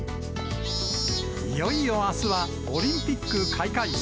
いよいよあすはオリンピック開会式。